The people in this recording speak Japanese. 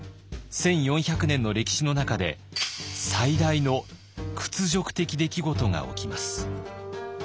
１，４００年の歴史の中で最大の屈辱的出来事が起きます。